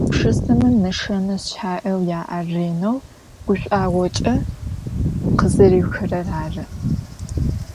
Pşşıseme neşşene şsha'eu ya'er rêneu guş'uağoç'e khızeriuxırer arı.